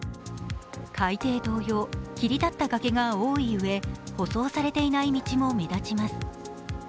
海底同様切り立った崖が多いうえ舗装されていない道も目立ちます。